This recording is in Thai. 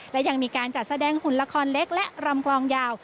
และยังมีการจัดแสดงหุ่นละครเล็กและรำกลองยาว